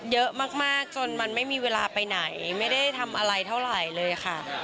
เยอะมากจนมันไม่มีเวลาไปไหนไม่ได้ทำอะไรเท่าไหร่เลยค่ะ